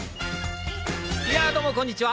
やあどうもこんにちは。